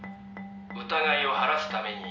「疑いを晴らすために」